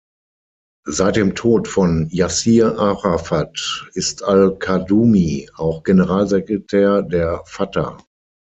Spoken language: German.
Seit dem Tod von Jassir Arafat ist al-Qadumi auch Generalsekretär der Fatah.